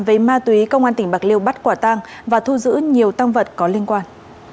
với ma túy công an tỉnh bạc liêu bắt quả tang và thu giữ nhiều tăng vật có liên quan